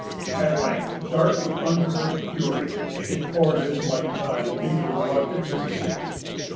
At length, dark with uncurbed fury, it pours its muddy tide into the reluctant Mississippi.